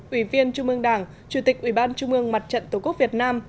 ủy viên trung ương đảng chủ tịch ủy ban trung ương mặt trận tổ quốc việt nam